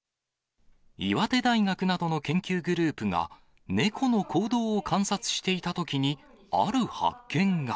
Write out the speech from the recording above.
岩手大学などの研究グループが、猫の行動を観察していたときにある発見が。